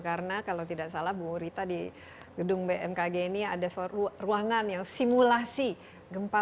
karena kalau tidak salah bu rita di gedung bmkg ini ada ruangan yang simulasi gempa